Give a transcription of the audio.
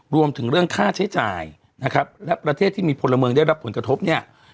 รวมถึงเรื่องค่าใช้จ่ายนะครับและประเทศที่มีพลเมืองได้รับผลกระทบเนี่ย